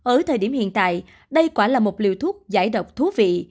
ở thời điểm hiện tại đây quả là một liều thuốc giải độc thú vị